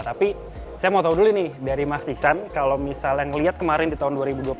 tapi saya mau tahu dulu nih dari mas iksan kalau misalnya ngelihat kemarin di tahun dua ribu dua puluh satu